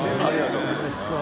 うれしそう。